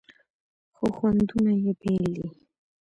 خو خوندونه یې بیل دي.